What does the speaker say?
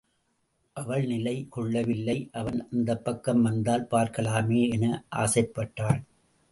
அவள் நிலை கொள்ளவில்லை அவன் அந்தப்பக்கம் வந்தால் பார்க்கலாமே என ஆசைப்பட்டாள்.